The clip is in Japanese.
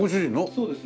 そうです。